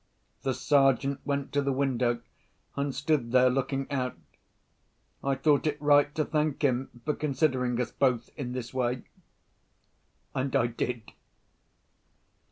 The Sergeant went to the window, and stood there looking out. I thought it right to thank him for considering us both in this way—and I did.